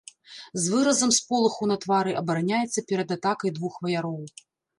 З выразам сполаху на твары абараняецца перад атакай двух ваяроў.